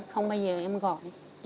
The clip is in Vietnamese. không bao giờ em gọi